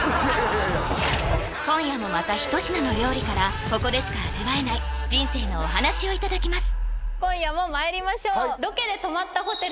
今夜もまた一品の料理からここでしか味わえない人生のお話をいただきます